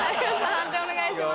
判定お願いします。